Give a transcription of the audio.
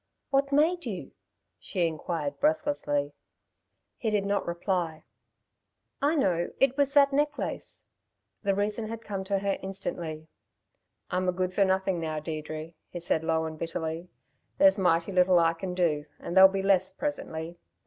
"What made you?" she inquired breathlessly. He did not reply. "I know it was that necklace!" The reason had come to her instantly. "I'm a good for nothing now, Deirdre," he said low and bitterly. "There's mighty little I can do ... and there'll be less presently.